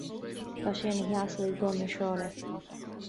Tá sé ina sheasamh ag bun na sráide.